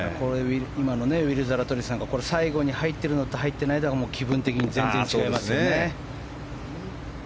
ウィル・ザラトリスなんか最後に入ってるのと入ってないのとでは気分的に全然違いますよね。